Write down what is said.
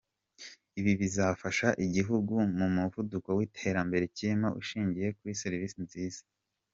Ibi bizafasha igihugu mu muvuduko w’iterambere kirimo ushingiye kuri servisi nziza”.